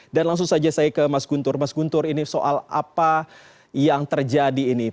dan langsung saja saya ke mas guntur mas guntur ini soal apa yang terjadi ini